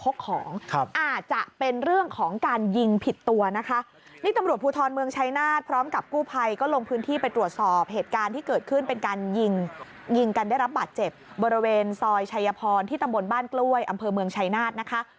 บริเวณซอยชัยพรที่ตำบลบ้านกล้วยอำเภอเมืองชัยนาศนะคะ